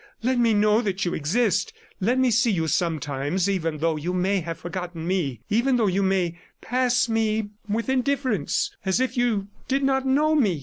... Let me know that you exist, let me see you sometimes, even though you may have forgotten me, even though you may pass me with indifference, as if you did not know me."